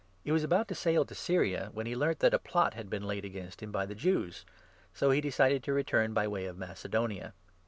He was about to sail to 3 Syria, when he learnt that a plot had been laid against him by the Jews ; so he decided to return by way of Mace donia.